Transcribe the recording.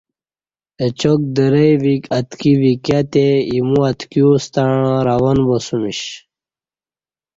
اچاک درئ وِیک اتکی وِکیہ تئے اِیمو اتکیوستݩع روان باسمیش۔